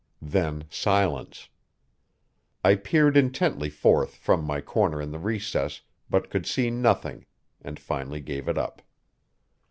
Then silence. I peered intently forth from my corner in the recess, but could see nothing, and finally gave it up.